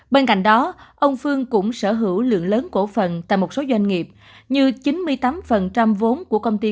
bên cạnh đó ông phương cũng sở hữu lượng lớn cổ phần tại một số doanh nghiệp như chín mươi tám vốn của công ty